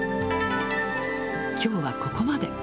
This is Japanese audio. きょうはここまで。